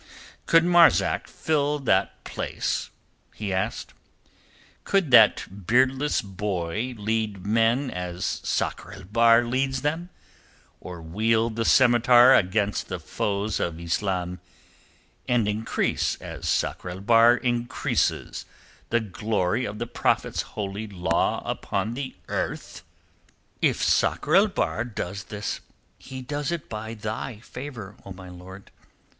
"Could Marzak fill that place," he asked. "Could that beardless boy lead men as Sakr el Bahr leads them, or wield the scimitar against the foes of Islam and increase as Sakr el Bahr increases the glory of the Prophet's Holy Law upon the earth?" "If Sakr el Bahr does this, he does it by thy favour, O my lord.